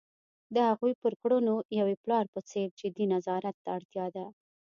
د هغوی پر کړنو یوې پلار په څېر جدي نظارت ته اړتیا ده.